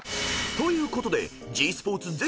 ［ということでｇスポーツ